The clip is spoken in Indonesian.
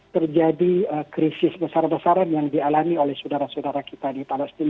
terjadi krisis besar besaran yang dialami oleh saudara saudara kita di palestina